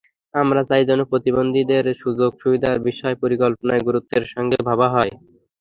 আমরা চাই যেন প্রতিবন্ধীদের সুযোগ–সুবিধার বিষয় পরিকল্পনায় গুরুত্বের সঙ্গে ভাবা হয়।